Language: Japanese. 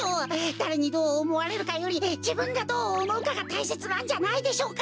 だれにどうおもわれるかよりじぶんがどうおもうかがたいせつなんじゃないでしょうか？